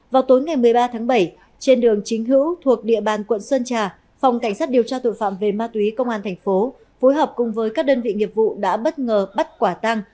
vào tối ngày một mươi ba tháng bảy trên đường chính hữu thuộc địa bàn quận sơn trà phòng cảnh sát điều tra tội phạm về ma túy công an thành phố phối hợp cùng với các đơn vị nghiệp vụ đã bất ngờ bắt quả tăng